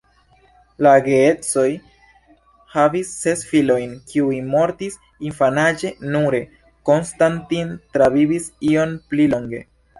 La geedzoj havis ses filojn, kiuj mortis infanaĝe nure "Konstantin" travivis iom pli longe.